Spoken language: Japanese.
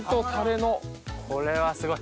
これはすごい。